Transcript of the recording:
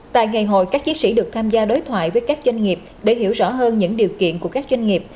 tại ngày hội các chiến sĩ được tham gia đối thoại với các doanh nghiệp để hiểu rõ hơn những điều kiện của các doanh nghiệp